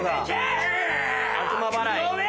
悪魔払い。